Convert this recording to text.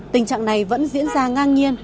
tình trạng này vẫn diễn ra ngang nhiên